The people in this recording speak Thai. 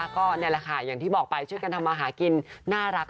ก็นี่แหละค่ะอย่างที่บอกไปช่วยกันทำมาหากินน่ารัก